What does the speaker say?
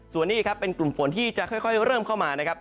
ส่วนนี้ครับเป็นกลุ่มฝนที่จะค่อยเริ่มเข้ามานะครับ